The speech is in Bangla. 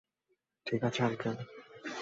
ঠিক আছে আঙ্কেল!